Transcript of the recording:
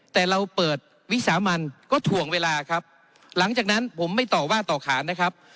แต่เราเปิดวิสามันก็ถ่วงเวลาครับหลังจากนั้นผมไม่ต่อว่าต่อขานนะครับ